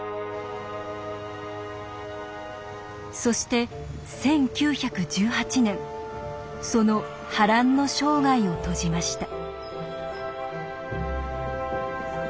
そして１９１８年その波乱の生涯を閉じました。